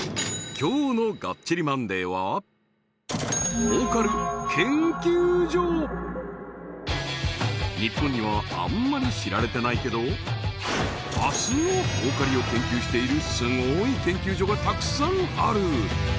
今日の「がっちりマンデー！！」は日本にはあんまり知られてないけど明日の儲かりを研究しているすごい研究所がたくさんある！